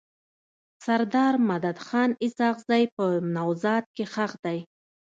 سردار مددخان اسحق زی په نوزاد کي ښخ دی.